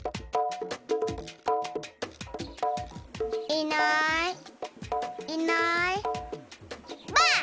いないいないばあっ！